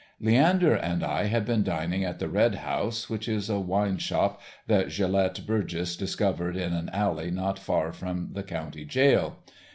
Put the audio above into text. Leander and I had been dining at the "Red House," which is a wine shop that Gelett Burgess discovered in an alley not far from the county jail.